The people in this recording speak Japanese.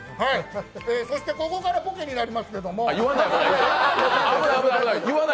そして、ここからボケになりますけども危ない危ない！